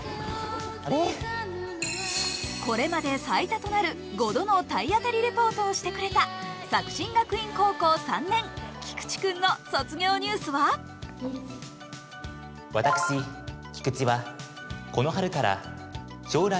これまで最多となる５度の体当たりレポートをしてくれた作新学院高校３年、菊池君の卒業ニュースは一足先に大学の実習の様子を取材しました。